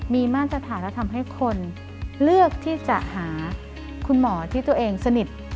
มีมาตรฐานและทำให้คนเลือกที่จะหาคุณหมอที่ตัวเองสนิท